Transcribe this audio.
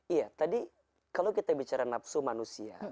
iya tadi kalau kita bicara nafsu manusia